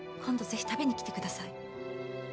ぜひ食べに来てください。